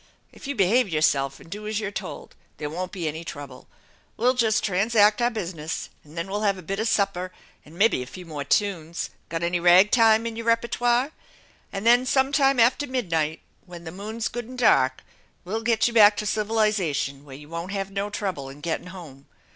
If you behave yourself and do as you're told there won't be any trouble. We'll just transact our business and then we'll have a bit of supper, and mebbe a few more tunes got any rag time in your repitwar ? and then sometime after midnight, when the moon's good and dark, we'll get you back to civilization where you won't have no trouble in gettin' home.